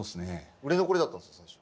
売れ残りだったんですよ最初。